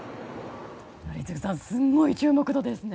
宜嗣さんすごい注目度ですね。